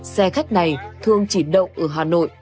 xe khách này thường chỉ động ở hà nội